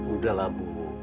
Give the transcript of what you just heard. udah lah bu